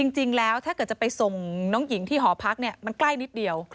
จริงแล้วถ้าเกิดจะไปส่งน้องหญิงที่หอพักเนี่ยมันใกล้นิดเดียว